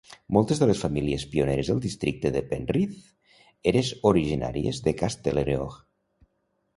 Moltes de les famílies pioneres del districte de Penrith eres originàries de Castlereagh.